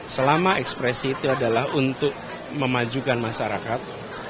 selama ekspresi itu adalah untuk memajukan masyarakat